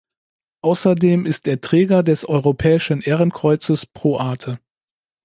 Außerdem ist er Träger des "Europäischen Ehrenkreuzes »Pro Arte«".